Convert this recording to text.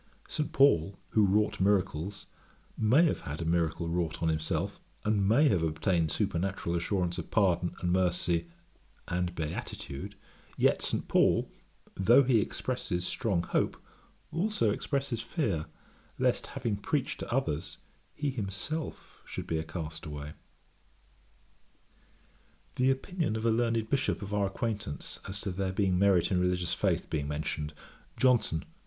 St. Paul, who wrought miracles, may have had a miracle wrought on himself, and may have obtained supernatural assurance of pardon, and mercy, and beatitude; yet St. Paul, though he expresses strong hope, also expresses fear, lest having preached to others, he himself should be a cast away.' The opinion of a learned Bishop of our acquaintance, as to there being merit in religious faith, being mentioned; JOHNSON.